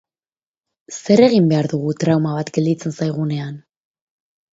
Zer egin behar dugu trauma bat gelditzen zaigunean?